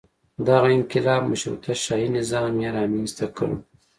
دغه انقلاب مشروطه شاهي نظام یې رامنځته کړ.